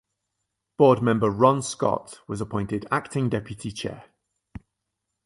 Board member Ron Scott was appointed acting deputy chair.